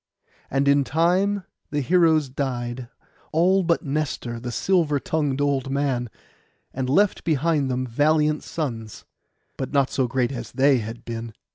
And in time the heroes died, all but Nestor, the silver tongued old man; and left behind them valiant sons, but not so great as they had been.